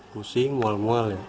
pusing mual mual ya